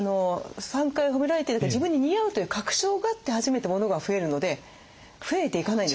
３回ほめられてるから自分に似合うという確証があって初めてモノが増えるので増えていかないんです。